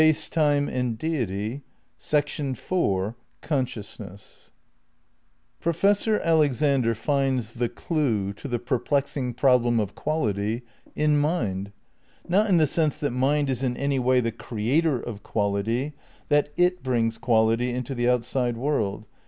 339. THE CRITICAL PEEPARATIONS 195 SdOUS uess IV Professor Alexander finds tlie "clue" to the perplex ing problem of quality in mind. Not in the sense that con mind is in any way the creator of quality, that it brings quality into the outside world.